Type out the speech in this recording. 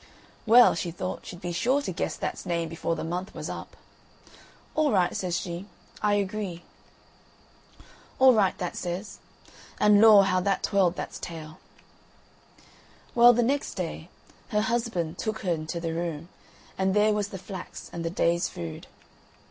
Well, she thought she'd be sure to guess that's name before the month was up. "All right," says she, "I agree." "All right," that says, and law! how that twirled that's tail. Well, the next day, her husband took her into the room, and there was the flax and the day's food.